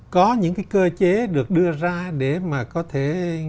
có những cái cơ chế được đưa ra để mà có thể